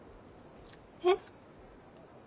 えっ？